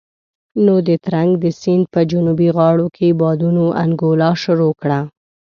نو د ترنک د سيند په جنوبي غاړو کې بادونو انګولا شروع کړه.